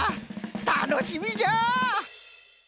たのしみじゃ！